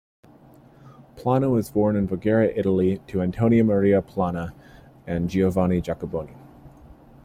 Plana was born in Voghera, Italy to Antonio Maria Plana and Giovanna Giacoboni.